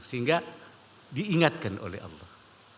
sehingga diingatkan oleh allah